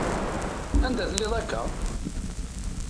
Anda telliḍ akka?